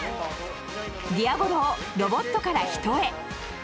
ディアボロをロボットから人へ。